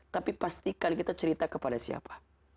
tapi pastikan kita cerita kepada siapa